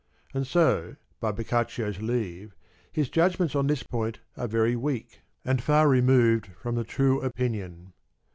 And so, by Boccaccio's leave, his judgments on this point are very weak, and far removed from the true opinion.